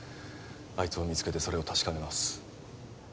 あいつを見つけてそれを確かめます